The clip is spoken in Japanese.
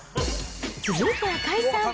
続いて赤井さん。